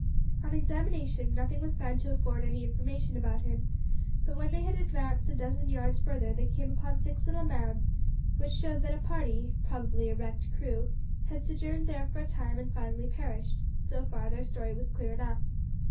On examination, nothing was found to afford any information about him, but when they had advanced a dozen yards further they came upon six little mounds, which showed that a party probably a wrecked crew had sojourned there for a time, and finally perished: so far their story was clear enough.